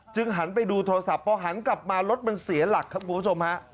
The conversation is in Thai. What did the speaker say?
หันไปดูโทรศัพท์พอหันกลับมารถมันเสียหลักครับคุณผู้ชมฮะ